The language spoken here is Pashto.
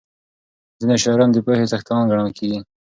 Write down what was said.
ځینې شاعران د پوهې څښتنان ګڼل کېږي.